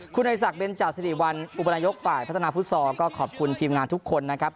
คุณอาจารย์สักเป็นจาศรีวันอุบันยกษ์ฝ่ายพัฒนาฟุตซอร์ก็ขอบคุณทีมงานทุกคนนะครับ